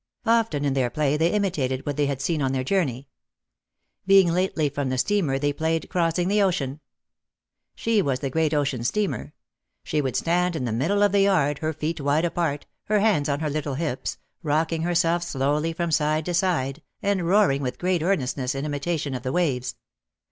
Often in their play they imitated what they had seen on their journey. Being lately from the steamer they played "crossing the ocean." She was the great ocean steamer. She would stand in the middle of the yard, her feet wide apart, her hands on her little hips, rocking herself slowly from side to side, and roaring with great earnestness in imitation of the waves.